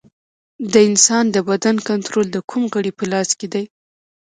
د انسان د بدن کنټرول د کوم غړي په لاس کې دی